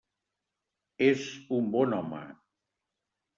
És un bon home.